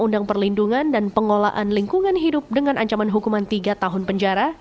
untuk penyelidikan pengelolaan lingkungan hidup dengan ancaman hukuman tiga tahun penjara